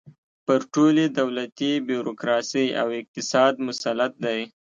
پر ټولې دولتي بیروکراسۍ او اقتصاد مسلط دی.